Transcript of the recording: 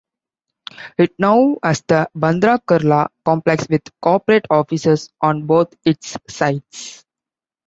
It now has the Bandra-Kurla complex with corporate offices on both its sides.